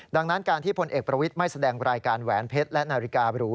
ดังนั้นการที่พลเอกประวิทย์ไม่แสดงรายการแหวนเพชรและนาฬิกาบรู